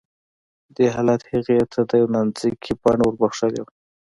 دې حالت هغې ته د يوې نانځکې بڼه وربښلې وه